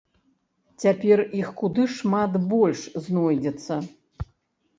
Цяпер іх куды шмат больш знойдзецца.